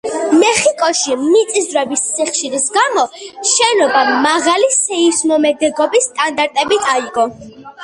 მეხიკოში მიწისძვრების სიხშირის გამო შენობა მაღალი სეისმომედეგობის სტანდარტებით აიგო.